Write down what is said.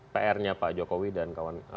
pr nya pak jokowi dan kawan